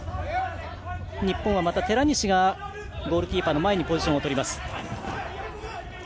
日本はまた寺西がゴールキーパーの前にポジションをとりました。